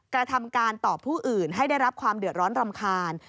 กระทำการต่อผู้อื่นให้ได้รับความเดือดร้อนรำคาญ